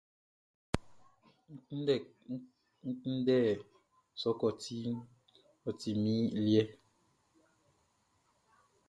N kunndɛ sɔkɔti, ɔ ti min liɛ!